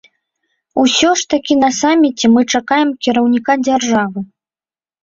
Усё ж такі на саміце мы чакаем кіраўніка дзяржавы.